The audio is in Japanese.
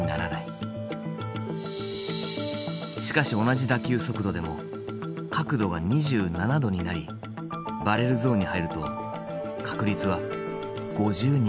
しかし同じ打球速度でも角度が２７度になりバレルゾーンに入ると確率は５２％に跳ね上がる。